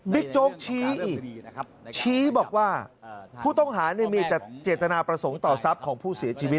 โจ๊กชี้อีกชี้บอกว่าผู้ต้องหามีแต่เจตนาประสงค์ต่อทรัพย์ของผู้เสียชีวิต